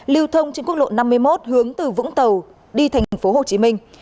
lưu thông trên quốc lộ năm mươi một hướng từ vũng tàu đi thành phố hồ chí minh